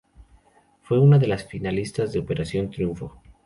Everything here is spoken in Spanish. Fue una de las finalistas de Operación Triunfo.